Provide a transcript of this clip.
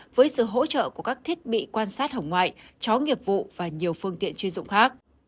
với sự hỗ trợ của các thiết bị quan sát hỏng ngoại chó nghiệp vụ và nhiều phương tiện chuyên dụng khác